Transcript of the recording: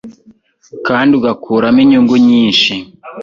kandi ugakuramo inyungu nyinshi,